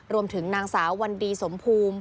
รวมถึงนางสาววันดีสมภูมิ